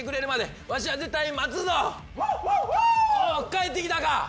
帰ってきたか！